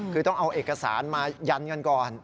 คือต้องเอาเอกสารมายันกันก่อน